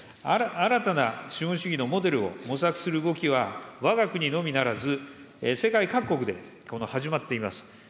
新たな資本主義のモデルを模索する動きはわが国のみならず、世界各国で始まっています。